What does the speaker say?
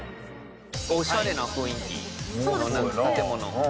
おしゃれな雰囲気、建物。